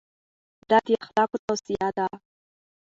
دا د اخلاقو توصیه ده.